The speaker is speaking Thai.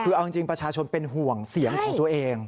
คือเอาจริงประชาชนเป็นห่วงเสียงของตัวเอง